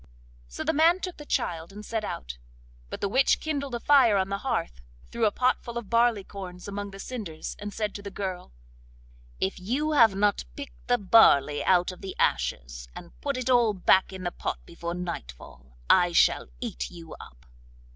So the man took the child and set out. But the witch kindled a fire on the hearth, threw a potful of barleycorns among the cinders, and said to the girl: 'If you have not picked the barley out of the ashes, and put it all back in the pot before nightfall, I shall eat you up!